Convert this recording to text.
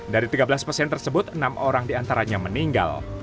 dari tiga belas pasien tersebut enam orang diantaranya meninggal